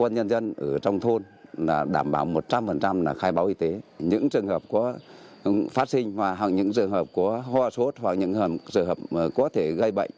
những trường hợp có phát sinh hoặc những trường hợp có hoa sốt hoặc những trường hợp có thể gây bệnh